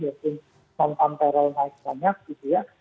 yaitu nonton payroll naik banyak gitu ya